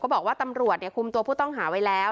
บอกว่าตำรวจคุมตัวผู้ต้องหาไว้แล้ว